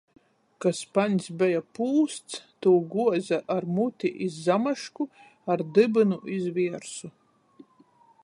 Ka spaņs beja pūsts, tū guoze ar muti iz zamašku, ar dybynu iz viersu.